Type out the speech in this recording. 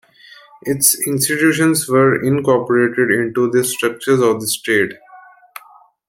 Its institutions were incorporated into the structures of the state.